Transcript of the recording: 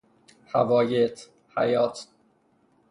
حوایط، حیاط